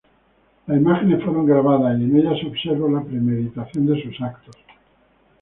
Las imágenes fueron grabadas y en ellas se observa la premeditación de sus actos.